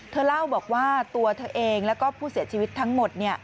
เธอเล่าบอกว่าตัวเธอเองแล้วก็ผู้เสียชีวิตทั้งหมด